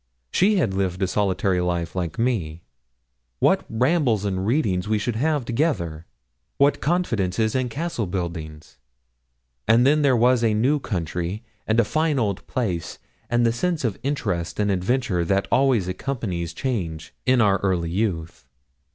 She had lived a solitary life, like me. What rambles and readings we should have together! what confidences and castle buildings! and then there was a new country and a fine old place, and the sense of interest and adventure that always accompanies change in our early youth.